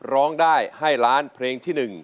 ร้องได้ให้ล้านเพลงที่๑